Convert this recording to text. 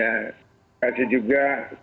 terima kasih juga